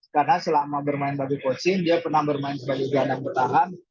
karena selama bermain bagi coachin dia pernah bermain sebagai dana bertahan